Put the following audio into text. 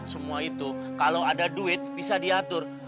semua itu kalau ada duit bisa diatur